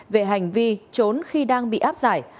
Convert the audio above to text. về hành vi trốn khi đang bị áp giải